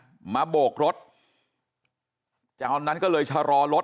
ทำให้สัมภาษณ์อะไรต่างนานไปออกรายการเยอะแยะไปหมด